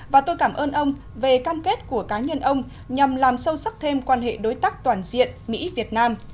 và tôi cảm ơn ông về cam kết của cá nhân ông nhằm làm sâu sắc thêm quan hệ đối tác toàn diện mỹ việt nam